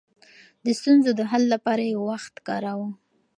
د ستونزو د حل لپاره يې وخت ورکاوه.